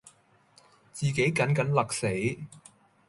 自己緊緊勒死；